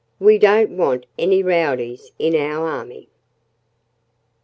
"We don't want any rowdies in our army."